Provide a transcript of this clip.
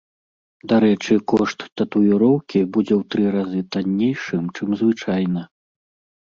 Дарэчы, кошт татуіроўкі будзе ў тры разы таннейшым, чым звычайна.